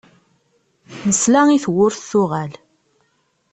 Nesla i tewwurt tuɣal.